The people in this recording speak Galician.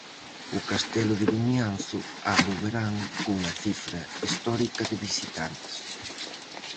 O castelo de Vimianzo abre o verán cunha cifra histórica de visitantes.